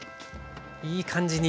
いい感じに。